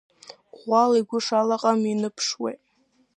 Ӷәӷәала игәы шалаҟам иныԥшуеит.